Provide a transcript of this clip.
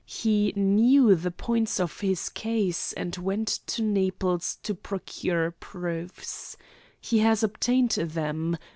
He knew the points of his case, and went to Naples to procure proofs. He has obtained them.